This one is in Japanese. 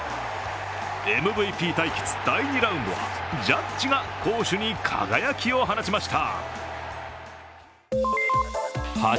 ＭＶＰ対決第２ラウンドはジャッジが攻守に輝きを放ちました。